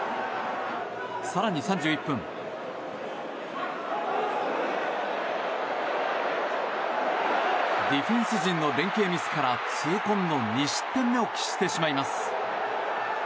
更に３１分ディフェンス陣の連係ミスから痛恨の２失点目を喫してしまいます。